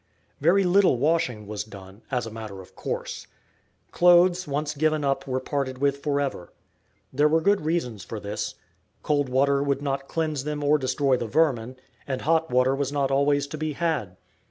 Very little washing was done, as a matter of course. Clothes once given up were parted with forever. There were good reasons for this: cold water would not cleanse them or destroy the vermin, and hot water was not always to be had.